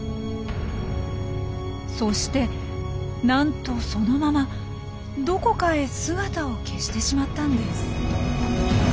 そしてなんとそのままどこかへ姿を消してしまったんです。